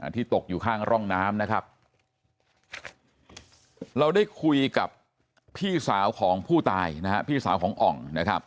ที่ตกอยู่ข้างร่องน้ำเราได้คุยกับพี่สาวของผู้ตายพี่สาวของอ่อง